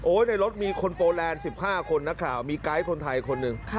ในรถมีคนโปแลนด์๑๕คนนักข่าวมีไกด์คนไทยคนหนึ่ง